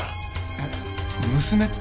えっ娘って？